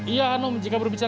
ia anum jika berbicara